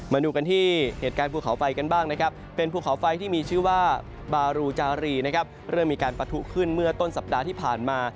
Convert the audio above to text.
มาดูกันที่เหตุการณ์ภูเขาไฟกันบ้างนะครับเป็นภูเขาไฟที่มีชื่อว่าบารูจารีนะครับเริ่มมีการปะทุขึ้นเมื่อต้นสัปดาห์ที่ผ่านมา